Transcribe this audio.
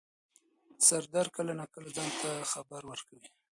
سردرد کله نا کله ځان ته خبر ورکوي.